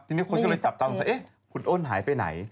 ทีนี้คนก็เลยจับตาสงสัยเอ๊ะคุณอ้นหายไปไหน